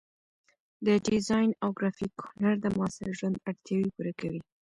د ډیزاین او ګرافیک هنر د معاصر ژوند اړتیاوې پوره کوي.